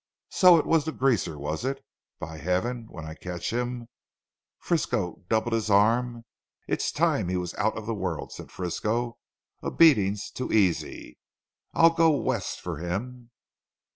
So it was the greaser was it? By Heaven! when I catch him " Frisco doubled his arm. "It's time he was out of the world," said Frisco, "a beating's too easy. I'll go west for him."